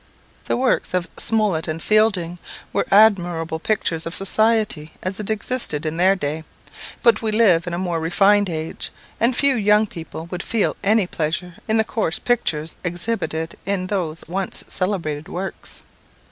The works of Smollett and Fielding were admirable pictures of society as it existed in their day; but we live in a more refined age, and few young people would feel any pleasure in the coarse pictures exhibited in those once celebrated works.